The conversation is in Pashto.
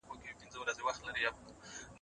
د خوشحال ږغ د منظور له ستوني وزي